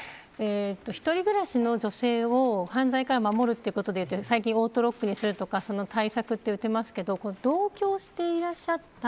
一人暮らしの女性を犯罪から守ることでオートロックにするとか対策やってますけど同居をしていらっしゃった。